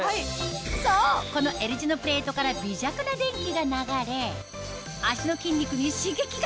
そうこのＬ字のプレートから微弱な電気が流れ足の筋肉に刺激が！